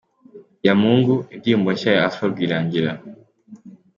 Yamungu, indirimbo nshya ya Alpha Rwirangira.